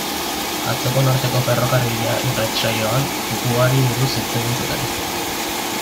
Atzoko Norteko Ferrokarrila irratsaioan, kukuari buruz hitz egin zuten.